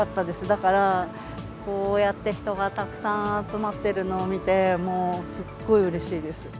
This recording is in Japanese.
だから、こうやって人がたくさん集まってるのを見て、もうすっごいうれしいです。